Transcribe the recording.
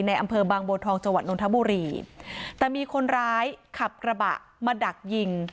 อำเภอบางบัวทองจังหวัดนทบุรีแต่มีคนร้ายขับกระบะมาดักยิง